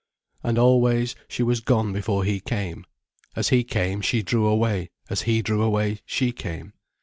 And always, she was gone before he came. As he came, she drew away, as he drew away, she came.